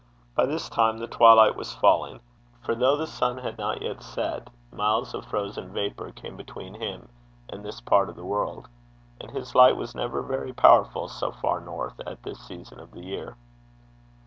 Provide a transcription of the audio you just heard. By this time the twilight was falling; for though the sun had not yet set, miles of frozen vapour came between him and this part of the world, and his light was never very powerful so far north at this season of the year.